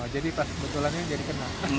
jadi pas kebetulan ini jadi kena